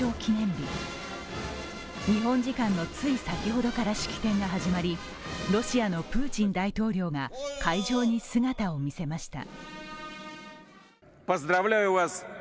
日本時間のつい先ほどから式典が始まり、ロシアのプーチン大統領が会場に姿を見せました。